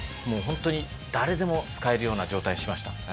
もうホントに誰でも使えるような状態にしました。